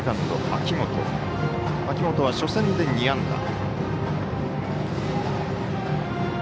秋元は初戦で２安打。